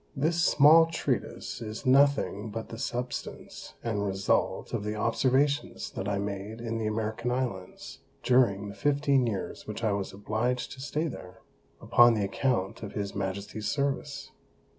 This small Treatise is nothing but the Substance and Result of the Observations that I made in the American Islands, during the fifteen Years which I was obliged to stay there, upon the account of his Majesty's Service.